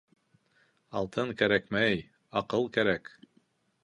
Алтын кәрәкмәй, аҡыл кәрәк